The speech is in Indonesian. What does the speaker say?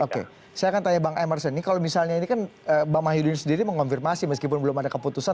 oke saya akan tanya bang emerson ini kalau misalnya ini kan bang mahyudin sendiri mengonfirmasi meskipun belum ada keputusan